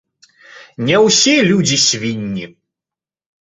Не ўсе людзі свінні.